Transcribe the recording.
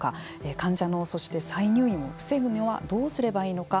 患者の、そして再入院を防ぐにはどうすればいいのか。